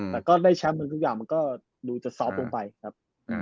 แต่ก็ได้แชมป์ทุกอย่างมันก็ดูจะซอฟต์ลงไปครับ